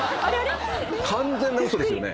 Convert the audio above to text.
完全な嘘ですよね？